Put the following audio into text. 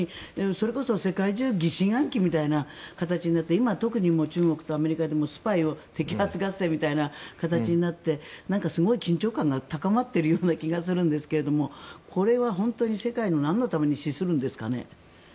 それこそ世界中疑心暗鬼みたいな形になって今、特に中国とアメリカでもスパイを摘発合戦みたいな形になってすごい、緊張感が高まっているような気がするんですがこれは本当に世界を何のために資するんですかね。